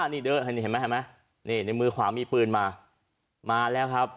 เห็นไหมในมือขวามีปืนมามาแล้วครับ